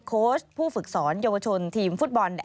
โค้ชผู้ฝึกสอนเยาวชนทีมฟุตบอล